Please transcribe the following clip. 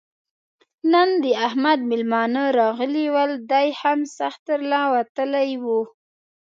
نن د احمد مېلمانه راغلي ول؛ دی هم سخت تر له وتلی وو.